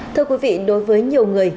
thưa quý vị đối với nhiều người